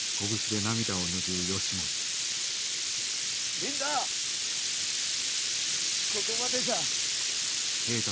みんなここまでじゃ。